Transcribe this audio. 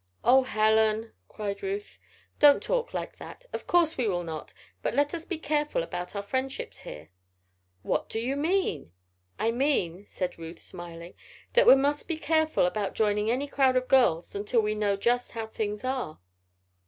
"Oh, Helen!" cried Ruth. "Don't talk like that. Of course we will not. But let us be careful about our friendships here." "What do you mean?" "I mean," said Ruth, smiling, "that we must be careful about joining any crowd of girls until we know just how things are."